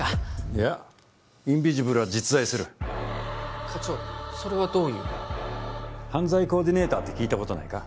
いやインビジブルは実在する課長それはどういう犯罪コーディネーターって聞いたことないか？